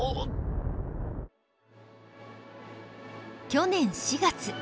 去年４月。